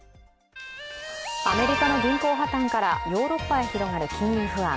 アメリカの銀行破綻からヨーロッパへ広がる金融不安。